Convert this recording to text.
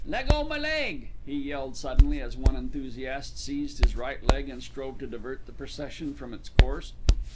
Leggo my leg!" he yelled suddenly, as one enthusiast seized his right leg and strove to divert the procession from its course.